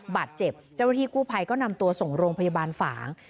บาดเจ็บเจ้าหน้าที่กู้ภัยก็นำตัวส่งโรงพยาบาลฝาง